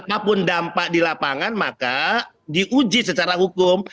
apapun dampak di lapangan maka diuji secara hukum